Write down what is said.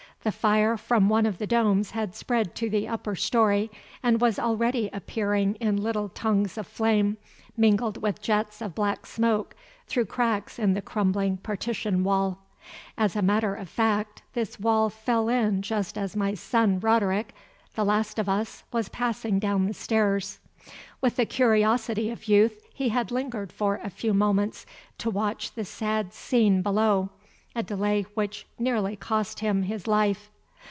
The fire from one of the domes had spread to the upper story, and was already appearing in little tongues of flame mingled with jets of black smoke through cracks in the crumbling partition wall. As a matter of fact this wall fell in just as my son Roderick, the last of us, was passing down the stairs. With the curiosity of youth he had lingered for a few moments to watch the sad scene below, a delay which nearly cost him his life.